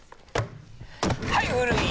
はい古い！